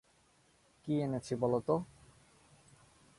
কি এনেছি বলতো?